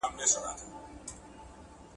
له کورنۍ پرته انسانیت نه پېژندل کېږي.